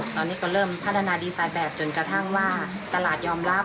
ตอนนี้ก็เริ่มพัฒนาดีไซน์แบบจนกระทั่งว่าตลาดยอมรับ